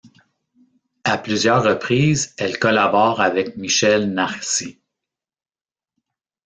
À plusieurs reprises, elle collabore avec Michel Narcy.